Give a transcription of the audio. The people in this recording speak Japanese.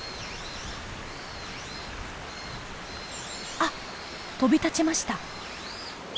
あっ飛び立ちました。